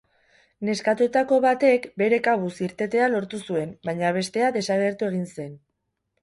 Neskatoetako batek bere kabuz irtetea lortu zuen, baina bestea desagertu egin zen.